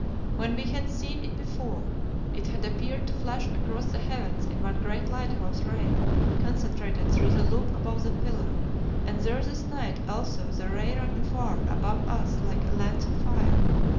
When we had seen it before, it had appeared to flash across the heavens in one great lighthouse ray, concentrated through the loop above the pillar, and there this night also the ray ran far above us like a lance of fire.